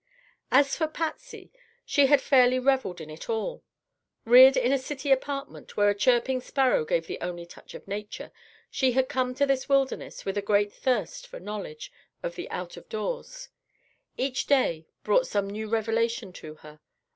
As for Patsy, she had fairly revelled in it all. Reared in a city apartment where a chirping sparrow gave the only touch of nature, she had come to this wilderness with a great thirst for knowledge of the out of doors. Each day brought some new revelation to her.